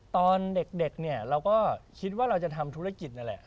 ตอนเด็กเนี่ยเราก็คิดว่าเราจะทำธุรกิจนั่นแหละ